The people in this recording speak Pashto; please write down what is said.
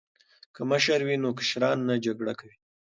که مشره وي نو کشران نه جګړه کوي.